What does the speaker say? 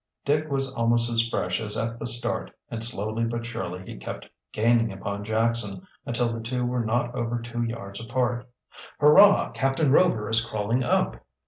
Dick was almost as fresh as at the start and slowly but surely he kept gaining upon Jackson until the two were not over two yards apart. "Hurrah, Captain Rover is crawling up!"